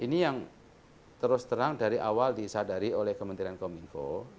ini yang terus terang dari awal disadari oleh kementerian kominfo